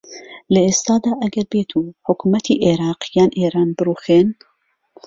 لە ئێستادا ئەگەر بێتو حکومەتی عیراق یان ئێران بروخێن.